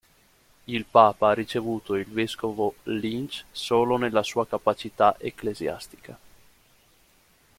Il Papa ha ricevuto il vescovo Lynch solo nella sua capacità ecclesiastica.